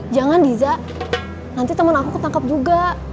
jangan diza nanti teman aku ketangkep juga